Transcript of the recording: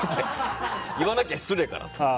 言わなきゃ失礼かと。